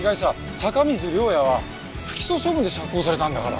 坂水涼也は不起訴処分で釈放されたんだから。